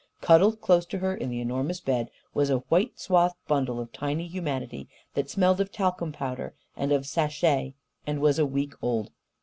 Cuddled close to her in the enormous bed was a white swathed bundle of tiny humanity that smelled of talcum powder and of sachet and was a week old.